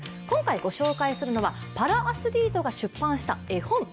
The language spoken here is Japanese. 今回御紹介するのはパラアスリートの出品した絵本。